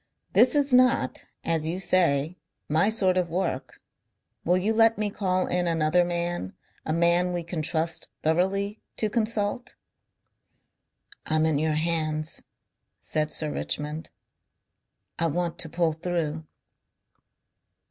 "This is not, as you say, my sort of work. Will you let me call in another man, a man we can trust thoroughly, to consult?" "I'm in your hands, said Sir Richmond. I want to pull through."